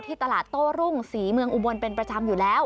ตลาดโต้รุ่งศรีเมืองอุบลเป็นประจำอยู่แล้ว